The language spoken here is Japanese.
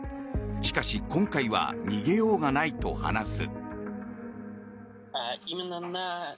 しかし、今回は逃げようがないと話す。